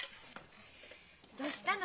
どしたの？